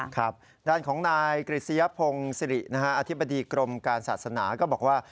ครับด้านของนายกฤษยพงศิริอธิบดีกรมการศาสนาก็บอกว่า